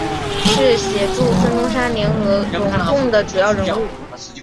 是协助孙中山联俄容共的主要人物。